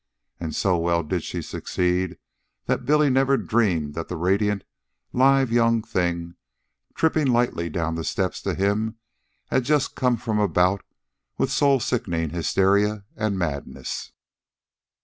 And so well did she succeed that Billy never dreamed that the radiant, live young thing, tripping lightly down the steps to him, had just come from a bout with soul sickening hysteria and madness.